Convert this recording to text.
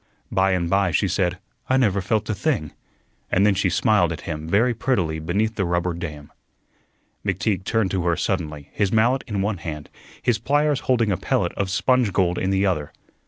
By and by she said, "I never felt a thing," and then she smiled at him very prettily beneath the rubber dam. McTeague turned to her suddenly, his mallet in one hand, his pliers holding a pellet of sponge gold in the other.